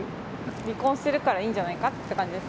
離婚してるからいいんじゃないかって感じです。